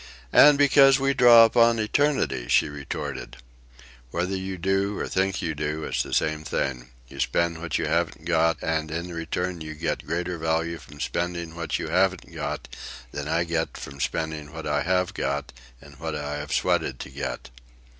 "And because we draw upon eternity," she retorted. "Whether you do or think you do, it's the same thing. You spend what you haven't got, and in return you get greater value from spending what you haven't got than I get from spending what I have got, and what I have sweated to get."